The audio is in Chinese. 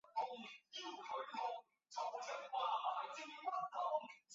非营利性质的啤酒酿造一般称为家庭酿造。